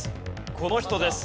この人です。